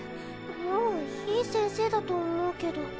もういい先生だと思うけど？